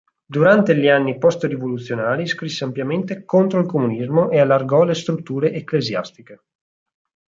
Durante gli anni post-rivoluzionari scrisse ampiamente contro il comunismo e allargò le strutture ecclesiastiche.